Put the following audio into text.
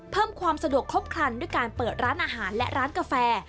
เพิ่มความสะดวกครบครันด้วยการเปิดร้านอาหารและร้านกาแฟ